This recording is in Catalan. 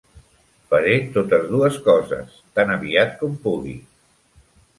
Faré totes dues coses, tan aviat com pugui.